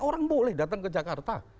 orang boleh datang ke jakarta